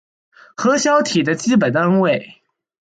核小体的基本单位。